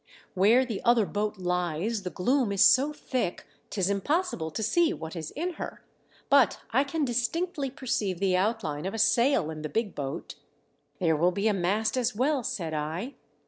"Where the other boat lies the doom is THE WEATHER HELPS MY SCHEME. 479 SO thick 'tis impossible to see what is in her. But I can distinctly perceive the outline of a sail in the big boat." "There will be a mast as well," said I.